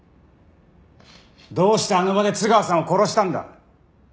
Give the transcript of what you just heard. どうしてあの場で津川さんを殺したんだ！？